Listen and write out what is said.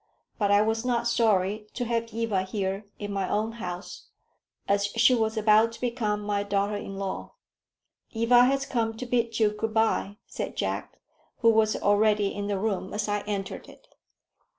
But I was not sorry to have Eva here in my own house, as she was about to become my daughter in law. "Eva has come to bid you good bye," said Jack, who was already in the room, as I entered it.